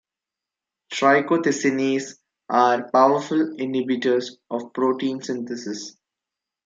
Trichothecenes are powerful inhibitors of protein synthesis.